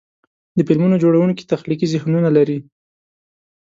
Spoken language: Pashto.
د فلمونو جوړونکي تخلیقي ذهنونه لري.